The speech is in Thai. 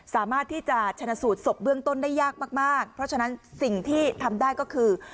สามารถที่จะชนะสูตรศพเบื้องต้นได้ยากมากเพราะฉะนั้นสิ่งที่ทำได้ก็คือ